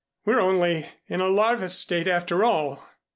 We're only in a larva state after all."